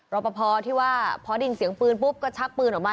รอปภที่ว่าพอได้ยินเสียงปืนปุ๊บก็ชักปืนออกมา